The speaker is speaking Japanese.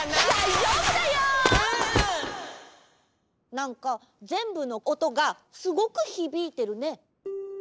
なんかぜんぶのおとがすごくひびいてるね！